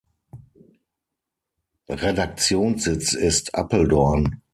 Redaktionssitz ist Apeldoorn.